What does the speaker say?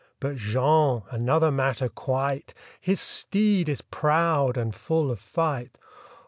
But Jean—another matter, quite! His steed is proud and full of fight.